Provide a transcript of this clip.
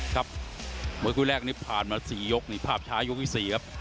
ครับมือคุยแรกนี้ผ่านมาสี่ยกนี่ภาพช้ายกที่สี่ครับ